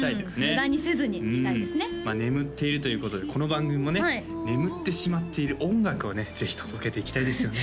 無駄にせずにしたいですね眠っているということでこの番組もね眠ってしまっている音楽をねぜひ届けていきたいですよね